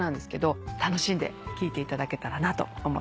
楽しんで聴いていただけたらなと思ってます。